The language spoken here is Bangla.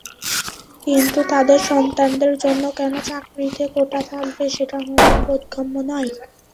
কিন্তু তঁাদের সন্তানদের জন্য কেন চাকরিতে কোটা থাকবে, সেটা আমাদের বোধগম্য নয়।